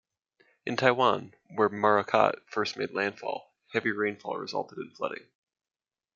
In Taiwan, where Morakot first made landfall, heavy rainfall resulted in flooding.